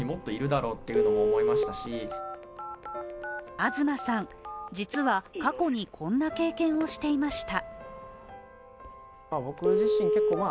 東さん、実は過去にこんな経験をしていました。